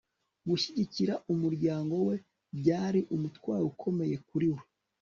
Gushyigikira umuryango we byari umutwaro ukomeye kuri we